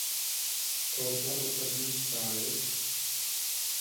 To‘rda o‘tirmish shoir: